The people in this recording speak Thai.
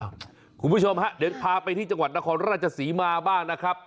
คุณผู้ชมฮะเดี๋ยวพาไปที่จังหวัดนครราชศรีมาบ้างนะครับ